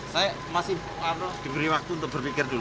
saya masih diberi waktu untuk berpikir dulu